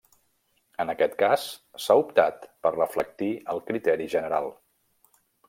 En aquest cas s'ha optat per reflectir el criteri general.